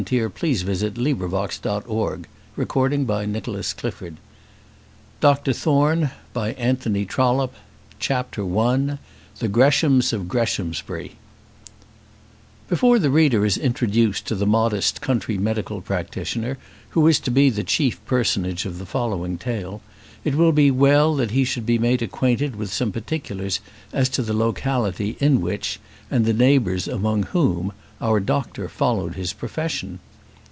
Our Pet Fox Finds a Tail XLVII. How the Bride Was Received, and Who Were Asked to the Wedding CHAPTER I The Greshams of Greshamsbury Before the reader is introduced to the modest country medical practitioner who is to be the chief personage of the following tale, it will be well that he should be made acquainted with some particulars as to the locality in which, and the neighbours among whom, our doctor followed his profession.